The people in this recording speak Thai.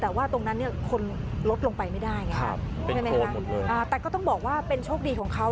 แต่ว่าตรงนั้นคนรถลงไปไม่ได้แต่ก็ต้องบอกว่าเป็นโชคดีของเขา